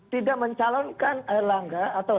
tidak mencalonkan air langga atau